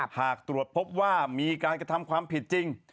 หากตรวจพบว่ามีการกระทำความผิดจริง